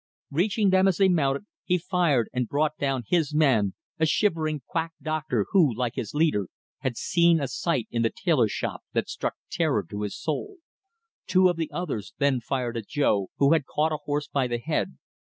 Reaching them as they mounted, he fired, and brought down his man a shivering quack doctor, who, like his leader, had seen a sight in the tailor shop that struck terror to his soul. Two of the others then fired at Jo, who had caught a horse by the head.